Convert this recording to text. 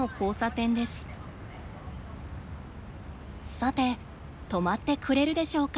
さて止まってくれるでしょうか。